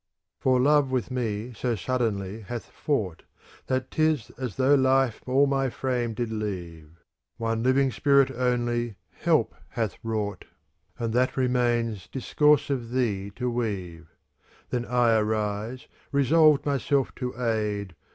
" For Love with me so suddenly hath fought, * That 'tis as though life all my frame did leave; One living spirit only help hath wrought. And that remains discourse of thee to weave. Then I arise, resolved myself to aid.